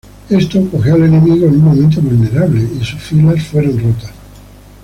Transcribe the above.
Esto cogió al enemigo en un momento vulnerable, y sus filas fueron rotas.